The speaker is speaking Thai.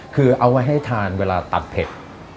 คือเอาไว้ให้ทานเวลาตัดเผ็ด